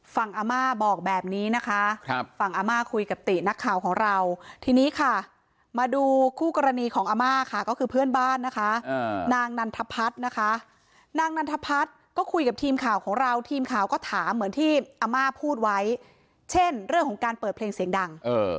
อาม่าบอกแบบนี้นะคะฝั่งอาม่าคุยกับตินักข่าวของเราทีนี้ค่ะมาดูคู่กรณีของอาม่าค่ะก็คือเพื่อนบ้านนะคะนางนันทพัฒน์นะคะนางนันทพัฒน์ก็คุยกับทีมข่าวของเราทีมข่าวก็ถามเหมือนที่อาม่าพูดไว้เช่นเรื่องของการเปิดเพลงเสียงดัง